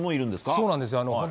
そうなんですよ。